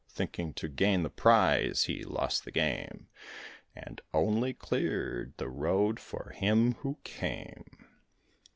Thinking to gain the prize, he lost the game, And only cleared the road for him who came.